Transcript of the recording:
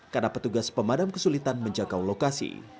karena petugas pemadam kesulitan menjangkau lokasi